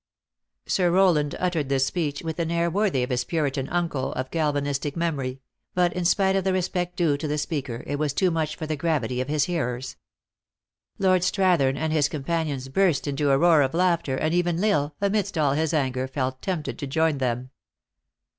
Sir Rowland uttered this speech with an air worthy of his Puritan uncle, of Calvinistic memory ; but, in spite of the respect due to the speaker, it was too much for the gravity of his hearers. Lord Strathern and his companions burst into a roar of laughter, and even L Isle, amidst all his anger, felt tempted to join them.